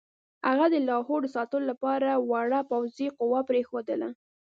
هغه د لاهور د ساتلو لپاره وړه پوځي قوه پرېښودله.